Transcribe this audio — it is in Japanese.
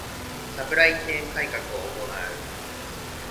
ⅱ サプライチェーン改革を行う